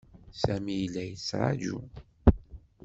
Sami yella yettṛaju.